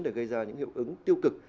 để gây ra những hiệu ứng tiêu cực